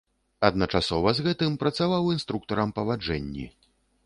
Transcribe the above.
Адначасова з гэтым працаваў інструктарам па ваджэнні.